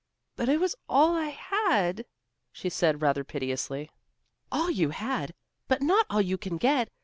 "But it was all I had," she said rather piteously. "All you had. But not all you can get.